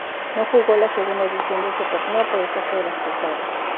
No jugó la segunda edición de ese torneo por el costo de los traslados.